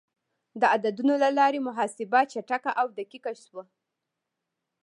د عددونو له لارې محاسبه چټکه او دقیق شوه.